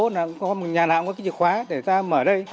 là nhà nào cũng có cái chìa khóa để ra mở đây